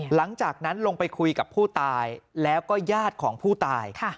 หลังจากนั้นลงไปคุยกับผู้ตายแล้วก็ญาติของผู้ตาย